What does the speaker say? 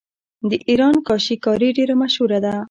د ایران کاشي کاري ډیره مشهوره ده.